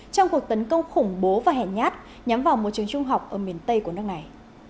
trong cuộc tấn công khủng bố và hẹn nhát nhắm vào một trường trung học ở miền tây của nước này